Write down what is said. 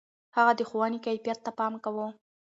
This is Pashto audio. هغه د ښوونې کيفيت ته پام کاوه.